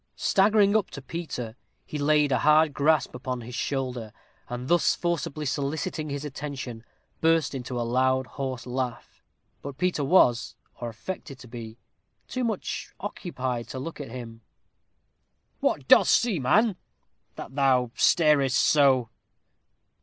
Staggering up to Peter, he laid a hard grasp upon his shoulder, and, thus forcibly soliciting his attention, burst into a loud horse laugh. But Peter was, or affected to be, too much occupied to look at him. "What dost see, man, that thou starest so?"